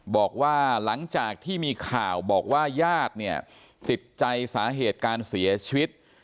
บอกว่าหลังจากที่มีข่าวบอกว่าญาติเนี่ยติดใจสาเหตุการเสียชีวิต